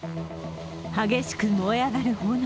激しく燃え上がる炎。